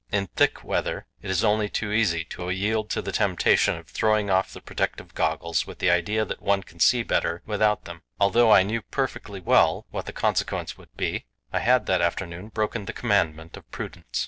In thick weather it is only too easy to yield to the temptation of throwing off the protective goggles, with the idea that one can see better without them. Although I knew perfectly well what the consequence would be, I had that afternoon broken the commandment of prudence.